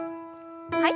はい。